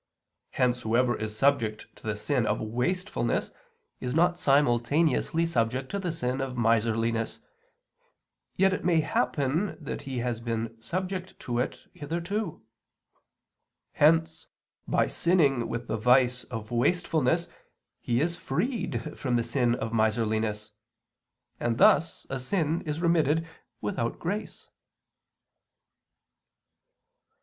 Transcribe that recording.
Hence whoever is subject to the sin of wastefulness is not simultaneously subject to the sin of miserliness, yet it may happen that he has been subject to it hitherto. Hence by sinning with the vice of wastefulness he is freed from the sin of miserliness. And thus a sin is remitted without grace.